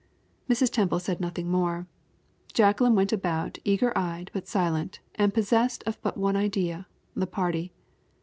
Mrs. Temple said nothing more. Jacqueline went about, eager eyed, but silent, and possessed of but one idea the party.